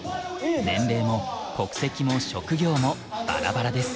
年齢も国籍も職業もバラバラです。